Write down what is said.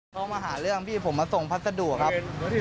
เขามาหาเรื่องพี่ผมมาส่งพัสดุครับ